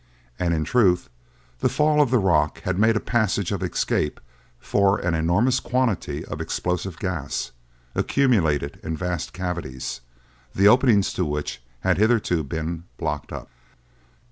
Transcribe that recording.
And, in truth, the fall of the rock had made a passage of escape for an enormous quantity of explosive gas, accumulated in vast cavities, the openings to which had hitherto been blocked up.